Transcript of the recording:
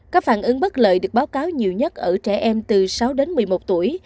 các phản ứng bất lợi được báo cáo nhiều nhất ở trẻ em từ sáu đến một mươi một tuổi